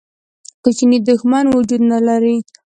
کوچنی دښمن وجود نه لري.